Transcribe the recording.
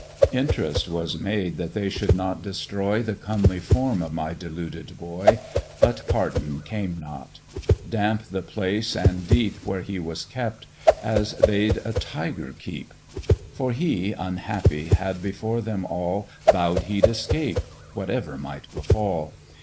"Int'rest was made that they should not destroy The comely form of my deluded boy But pardon came not; damp the place and deep Where he was kept, as they'd a tiger keep; For he, unhappy! had before them all Vow'd he'd escape, whatever might befall.